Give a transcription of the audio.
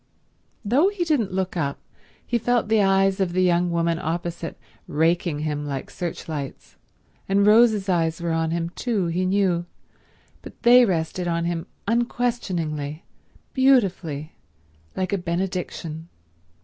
Though he didn't look up he felt the eyes of the young woman opposite raking him like searchlights, and Rose's eyes were on him too, he knew, but they rested on him unquestioningly, beautifully, like a benediction.